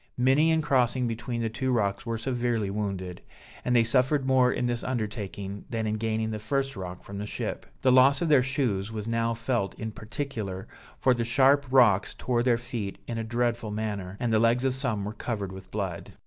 Many in crossing between the two rocks were severely wounded; and they suffered more in this undertaking than in gaining the first rock from the ship. The loss of their shoes was now felt in particular, for the sharp rocks tore their feet in a dreadful manner, and the legs of some were covered with blood.